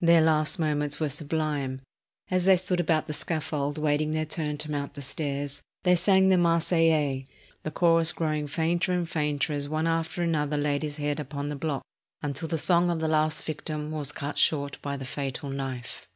Their last moments were sublime. As they stood about the scaffold awaiting their turn to mount the stairs, they sang the Marseillaise, the chorus growing fainter and fainter as one after another laid his head upon the block until the song of the last victim was cut short by the fatal knife.